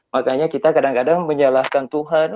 makanya kita kadang kadang menyalahkan tuhan